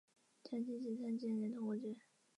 腮腺炎发炎的疾病。